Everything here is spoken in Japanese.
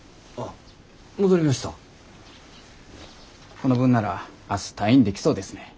この分なら明日退院できそうですね。